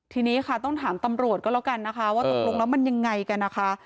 ทีนี้ค่ะต้องถามตำรวจก็แล้วกันนะคะว่าตกลงแล้วมันยังไงกันนะคะ